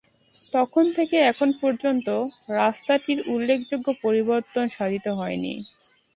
তখন থেকে এখন পর্যন্ত রাস্তাটির উল্লেখযোগ্য পরিবর্তন সাধিত হয়নি।